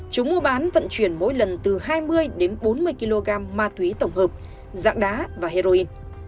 chúng mua bán vận chuyển mỗi lần từ hai mươi đến bốn mươi kg ma túy tổng hợp dạng đá và heroin